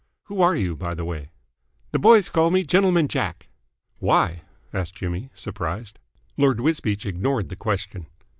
"Who are you, by the way?" "The boys call me Gentleman Jack." "Why?" asked Jimmy, surprised. Lord Wisbeach ignored the question.